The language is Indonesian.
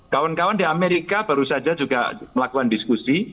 kawan kawan di amerika baru saja juga melakukan diskusi